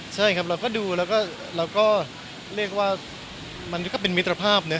ใช่ครับเราก็ดูแล้วก็เราก็เรียกว่ามันก็เป็นมิตรภาพนะ